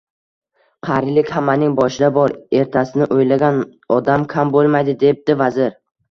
– Qarilik hammaning boshida bor. Ertasini o‘ylagan odam kam bo‘lmaydi, – debdi vazir.